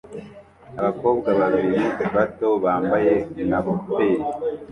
Abakobwa babiri bato bambaye nka peri